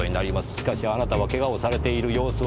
しかしあなたは怪我をされている様子はない。